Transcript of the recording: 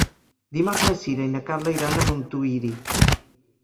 Dimarts na Sira i na Carla iran a Montuïri.